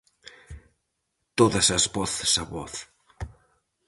Todas as voces a voz.